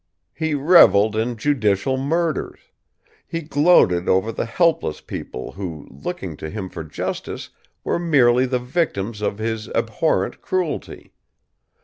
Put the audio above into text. "He revelled in judicial murders. He gloated over the helpless people who, looking to him for justice, were merely the victims of his abhorrent cruelty.